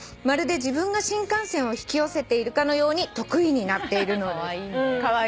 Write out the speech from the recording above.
「まるで自分が新幹線を引き寄せているかのように得意になっているのです」